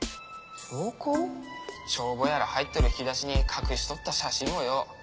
帳簿やら入っとる引き出しに隠しとった写真をよ